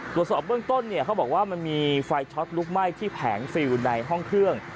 ตรวจสอบเบื้องต้นเนี่ยเขาบอกว่ามันมีไฟช็อตลุกไหม้ที่แผงฟิลในห้องเครื่อง